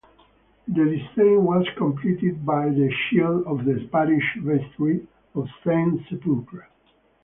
The design was completed by the shield of the parish vestry of Saint Sepulchre.